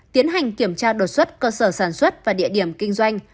tiến hành kiểm tra đột xuất cơ sở sản xuất và địa điểm kinh doanh